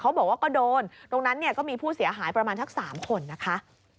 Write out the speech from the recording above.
บอกว่าก็โดนตรงนั้นเนี่ยก็มีผู้เสียหายประมาณสัก๓คนนะคะ